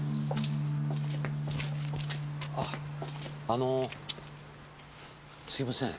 あのすいません。